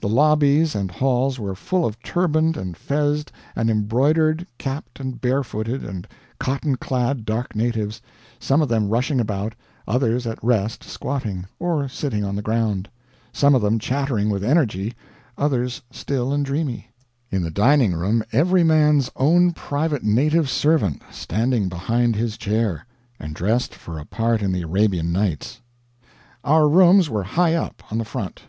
The lobbies and halls were full of turbaned, and fez'd and embroidered, cap'd, and barefooted, and cotton clad dark natives, some of them rushing about, others at rest squatting, or sitting on the ground; some of them chattering with energy, others still and dreamy; in the dining room every man's own private native servant standing behind his chair, and dressed for a part in the Arabian Nights. Our rooms were high up, on the front.